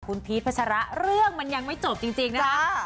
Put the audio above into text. คุณพีชพัชระเรื่องมันยังไม่จบจริงนะคะ